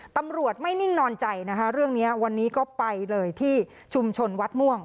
ตำรวจไม่นิ่งนอนใจนะคะเรื่องนี้วันนี้ก็ไปเลยที่ชุมชนวัดม่วง